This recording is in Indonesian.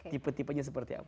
tipe tipenya seperti apa